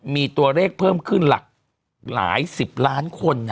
มีตัวเลขเพิ่มขึ้นหลากหลาย๑๐ล้านคน